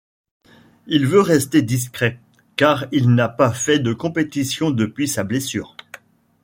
Il veut rester discret, car il n’a pas fait de compétition depuis sa blessure.